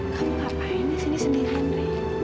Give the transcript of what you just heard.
kamu ngapain disini sendiri andre